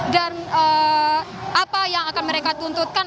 dan apa yang akan mereka tuntutkan